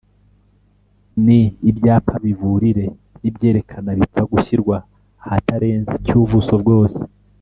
ni Ibyapa biburire n’ibyerekana bipfa gushyirwa ahatarenze / cy’ubuso bwose